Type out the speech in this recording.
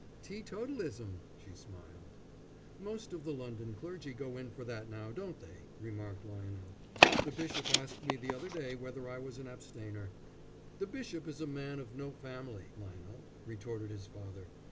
"Teetotalism!" she smiled. "Most of the London clergy go in for that now, don't they?" remarked Lionel. "The bishop asked me the other day whether I was an abstainer." "The bishop is a man of no family, Lionel," retorted his father.